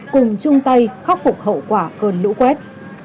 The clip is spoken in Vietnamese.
cùng chung tay khắc phục hậu quả cơn lũ quét